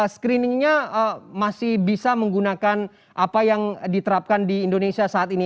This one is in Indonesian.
screeningnya masih bisa menggunakan apa yang diterapkan di indonesia saat ini